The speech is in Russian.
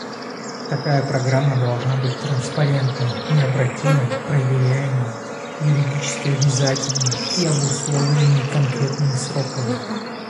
Такая программа должна быть транспарентной, необратимой, проверяемой, юридически обязательной и обусловленной конкретными сроками.